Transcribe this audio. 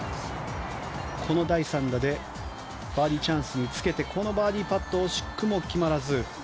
第３打でバーディーチャンスにつけてバーディーパット惜しくも決まらず。